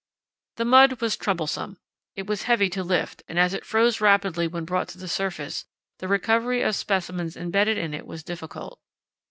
The mud was troublesome. It was heavy to lift, and as it froze rapidly when brought to the surface, the recovery of the specimens embedded in it was difficult.